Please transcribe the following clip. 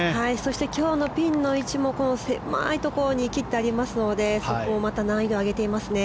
今日のピンの位置も狭いところに切ってありますのでまた難易度を上げていますね。